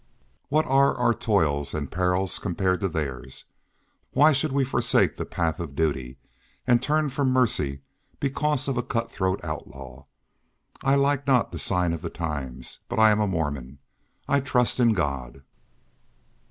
What are our toils and perils compared to theirs? Why should we forsake the path of duty, and turn from mercy because of a cut throat outlaw? I like not the sign of the times, but I am a Mormon; I trust in God."